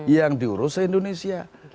yang diurus indonesia